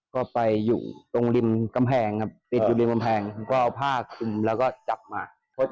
ก็ไปอยู่ตรงตรงตรงตื่นกำแคงก็คือทั่วพากคุมแล้วก็จับมา